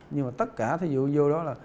nhưng mà tất cả thí dụ vô đó là